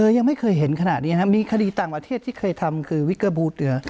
ยังไม่เคยเห็นขนาดนี้ครับมีคดีต่างประเทศที่เคยทำคือวิกเกอร์บูเตือ